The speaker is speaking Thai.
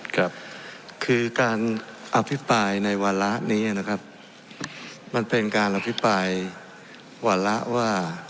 ครับคือการอภิปรายในวาระนี้นะครับมันเป็นการอภิปรายวาระว่า